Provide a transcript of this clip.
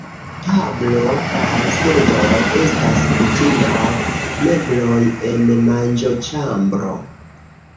Tablo kaj seĝoj estas kutimaj mebloj en manĝoĉambro.